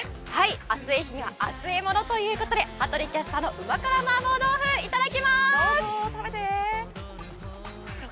暑い日には熱いものということで羽鳥キャスターの旨辛麻婆豆腐どうぞ、食べて。